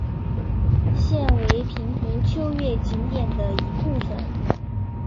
现为平湖秋月景点的一部分。